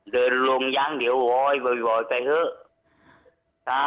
เดินลงยังเดี๋ยววอยไปเถอะ